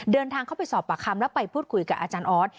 เดินทางเข้าไปสอบปากคำแล้วไปพูดคุยกับอาจารย์ออส